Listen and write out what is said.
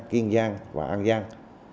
kiên giang và an giang